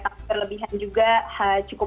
takut kelebihan juga cukup